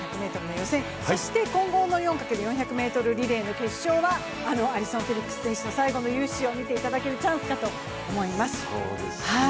そして、混合４×４００ｍリレーの決勝はあのアリソン・フェリックス選手の最後の雄姿を見ていただけるチャンスかと思います。